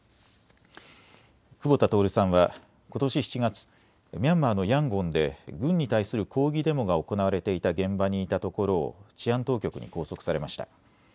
久保田徹さんはことし７月、ミャンマーのヤンゴンで軍に対する抗議デモが行われていた現場にいたところを治安当局に拘束されました。